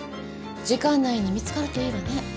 時間内に見つかるといいわね。